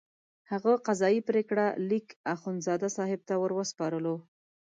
هغه قضایي پرېکړه لیک اخندزاده صاحب ته وروسپارلو.